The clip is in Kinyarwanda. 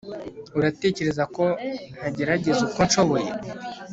uratekereza ko ntagerageza uko nshoboye